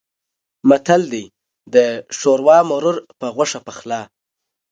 متل دی: د شوروا مرور په غوښه پخلا.